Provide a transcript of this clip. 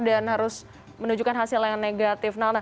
harus menunjukkan hasil yang negatif